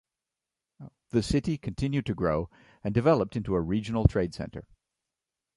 The city continued to grow and developed into a regional trade centre.